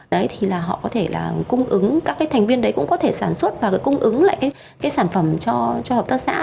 đấy thì là họ có thể là cung ứng các cái thành viên đấy cũng có thể sản xuất và cung ứng lại cái sản phẩm cho hợp tác xã